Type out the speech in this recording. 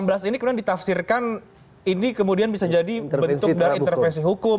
pak no enam belas ini kemudian ditafsirkan ini kemudian bisa jadi bentuk intervensi hukum